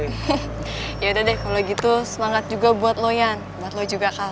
hehehe yaudah deh kalo gitu semangat juga buat lo yan buat lo juga kal